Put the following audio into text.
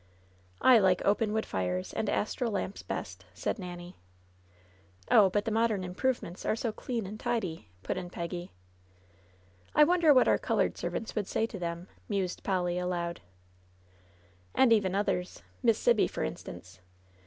"I like open wood fires and astral lamps best," said Nanny. "Oh ! but the modem improvements are so clean and tidy!" put in Peggy. "I wonder what our colored servants would say to them," mused Polly, aloud. "And even others — Miss Sibby, for instance.